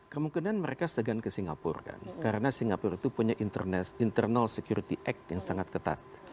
kemungkinan mereka segan ke singapura kan karena singapura itu punya internal security act yang sangat ketat